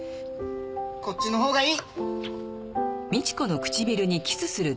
こっちのほうがいい。